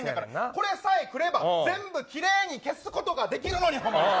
これさえくれば全部奇麗に消すことができるのに。